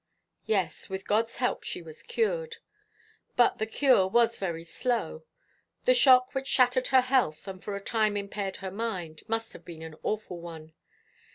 "Yes, with God's help she was cured; but the cure was very slow. The shock which shattered her health, and for a time impaired her mind, must have been an awful one.